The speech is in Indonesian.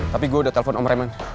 tapi gue udah telpon om reman